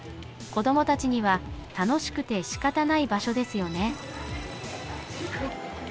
子どもたちには楽しくてしかたない場所ですよね。